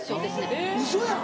えっウソやん。